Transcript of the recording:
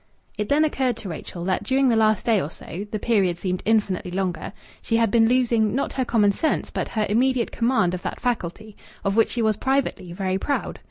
It then occurred to Rachel that during the last day or so (the period seemed infinitely longer) she had been losing, not her common sense, but her immediate command of that faculty, of which she was, privately, very proud.